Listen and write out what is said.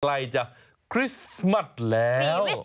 ใกล้จากคริสมัดแล้ว